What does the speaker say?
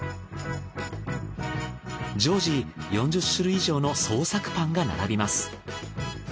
常時４０種類以上の創作パンが並びます。